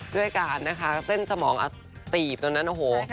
ด้วยการนะคะเส้นสมองตีบตอนนั้นโอ้โห